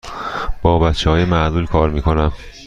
با بچه های معلول کار می کنم.